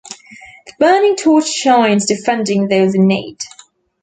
The burning torch shines defending those in need.